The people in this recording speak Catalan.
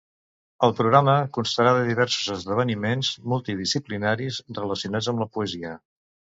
El programa constarà de diversos esdeveniments multidisciplinaris relacionats amb la poesia.